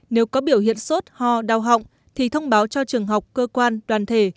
nếu có biểu hiện sốt ho đau họng thì thông báo cho trường học cơ quan đoàn thể